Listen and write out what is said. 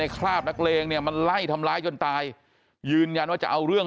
คราบนักเลงเนี่ยมันไล่ทำร้ายจนตายยืนยันว่าจะเอาเรื่อง